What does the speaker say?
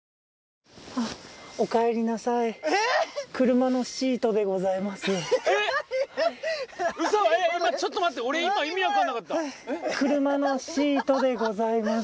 ⁉車のシートでございます。